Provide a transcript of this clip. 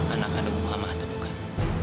anak kandung mamah atau bukan